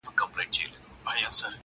څارنوال او د قاضي که د بابا ده,